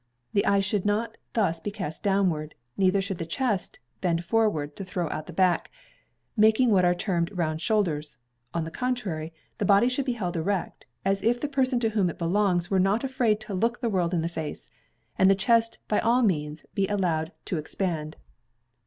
The eyes should not thus be cast downward, neither should the chest bend forward to throw out the back, making what are termed round shoulders; on the contrary, the body should be held erect, as if the person to whom it belongs were not afraid to look the world in the face, and the chest by all means be allowed to expand.